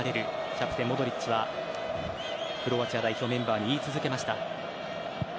キャプテン、モドリッチはクロアチア代表メンバーに言い続けました。